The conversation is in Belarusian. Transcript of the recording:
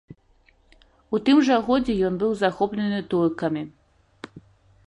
У тым жа годзе ён быў захоплены туркамі.